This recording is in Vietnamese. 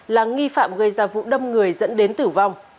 là nghi phạm gây ra vụ đâm người dẫn đến tử vong